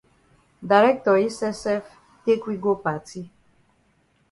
Director yi sef sef take we go for party.